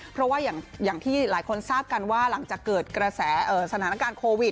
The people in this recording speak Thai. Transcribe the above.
เพราะว่าอย่างที่หลายคนทราบกันว่าหลังจากเกิดกระแสสถานการณ์โควิด